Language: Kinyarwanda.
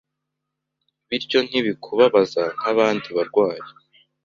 Bityo ntibikubabaza nkabandi barwayi